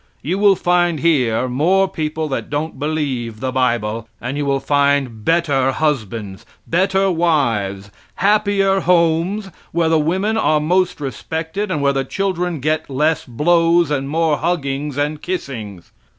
You will find here more people that don't believe the bible, and you will find better husbands, better wives, happier homes, where the women are most respected and where the children get less blows and more huggings and kissings.